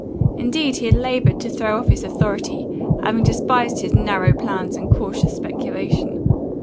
Indeed, he had laboured to throw off his authority, having despised his narrow plans and cautious speculation.